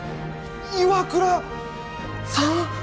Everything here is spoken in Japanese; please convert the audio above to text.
岩倉さん？